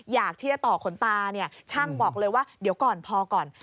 อยากที่จะต่อขนตาเนี่ยช่างบอกเลยว่าเดี๋ยวก่อนพอก่อน